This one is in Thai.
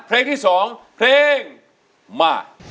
เพลงที่๒เพลงมา